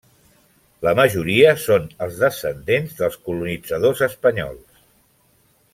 La majoria són els descendents dels colonitzadors espanyols.